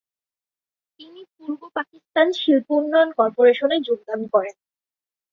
তিনি পূর্ব পাকিস্তান শিল্প উন্নয়ন কর্পোরেশনে যোগদান করেন।